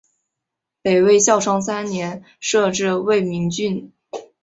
北魏孝昌三年设置魏明郡。